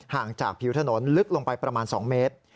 ห่างจากผิวถนนลึกลงไปประมาณ๒เมตร